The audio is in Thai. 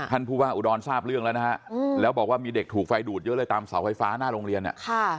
ผู้ว่าอุดรทราบเรื่องแล้วนะฮะแล้วบอกว่ามีเด็กถูกไฟดูดเยอะเลยตามเสาไฟฟ้าหน้าโรงเรียนอ่ะค่ะ